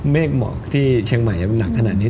เมฆเหมาะที่เชียงใหม่นักขนาดนี้